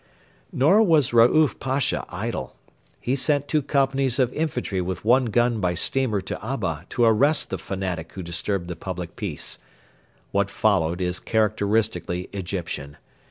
] Nor was Raouf Pasha idle. He sent two companies of infantry with one gun by steamer to Abba to arrest the fanatic who disturbed the public peace. What followed is characteristically Egyptian.